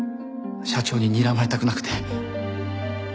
社長ににらまれたくなくて。